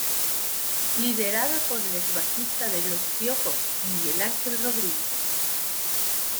Liderada por el ex bajista de Los Piojos Miguel Ángel Rodríguez.